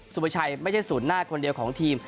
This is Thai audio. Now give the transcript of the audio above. ประชัยไม่ใช่ศูนย์หน้าคนเดียวของทีม